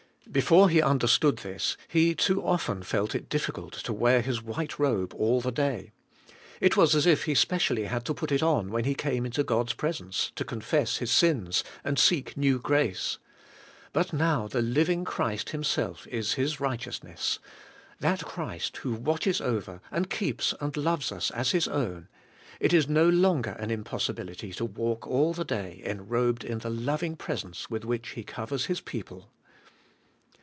Before he understood this, he too often felt it difficult to wear his white robe all the day: it was as if he specially had to put it on when he came into God's presence to confess his sins, and seek new grace. But now the living Christ Himself is his righteousness, — that Christ who watches over, and keeps and loves us as His own; it is no longer an impossibility to walk all the day enrobed in the loving presence with which He covers His people.